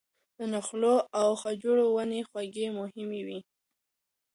د نخلو او خجورو ونې خورا مهمې دي.